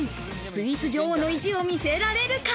スイーツ女王の意地を見せられるか？